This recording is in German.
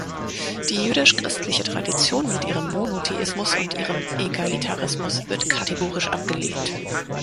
Die jüdisch-christliche Tradition mit ihrem Monotheismus und ihrem Egalitarismus wird kategorisch abgelehnt.